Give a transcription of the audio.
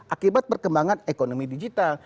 akibat perkembangan ekonomi digital